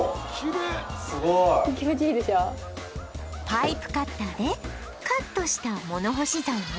パイプカッターでカットした物干し竿を